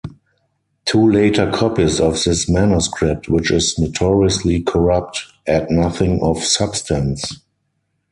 Two later copies of this manuscript, which is notoriously corrupt, add nothing of substance.